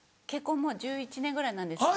もう１１年ぐらいなんですけど。